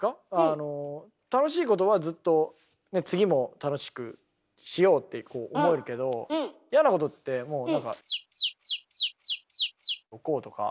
あの楽しいことはずっと次も楽しくしようって思えるけど嫌なことってもう何かとか。